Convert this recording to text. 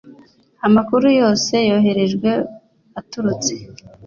amakuru yose yoherejwe aturutse